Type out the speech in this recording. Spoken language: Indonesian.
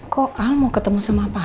kok al mau ketemu sama papa sih